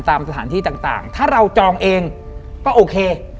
ตามสถานที่ต่างถ้าเราจองเองก็โอเค